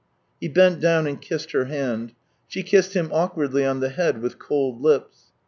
He bent down and kissed her hand. She kissed him awkwardly on the head with cold lips.